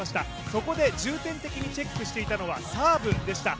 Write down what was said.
そこで重点的にチェックしていたのはサーブでした。